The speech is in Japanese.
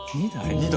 ２台。